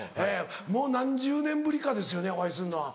もう何十年ぶりかですよねお会いするのは。